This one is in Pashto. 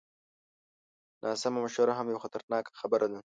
ناسمه مشوره هم یوه خطرناکه خبره ده.